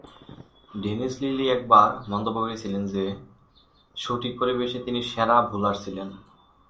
Dennis Lillee একবার মন্তব্য করেছিলেন যে, সঠিক পরিবেশে তিনি সেরা বোলার ছিলেন।